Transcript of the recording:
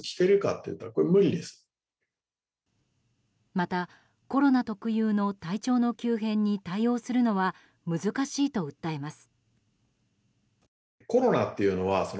また、コロナ特有の体調の急変に対応するのは難しいと訴えます。